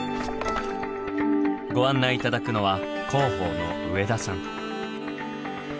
ご案内頂くのは広報の上田さん。